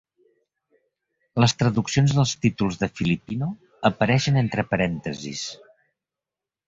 Les traduccions dels títols de Filipino apareixen entre parèntesis.